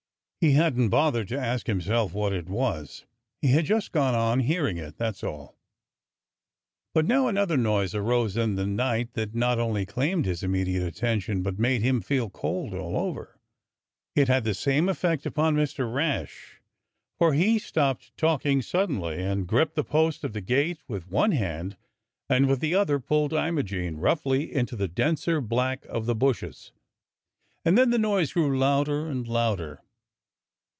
He hadn't bothered to ask himself what it was; he had just gone on hearing it, that's all. But now an other noise arose in the night that not only claimed his immediate attention but made him feel cold all over. It had the same effect upon Mr. Rash, for he stopped talking suddenly and gripped the post of the gate with one hand and with the other pulled Imogene roughly into the denser black of the bushes; and then the noise grew louder and louder.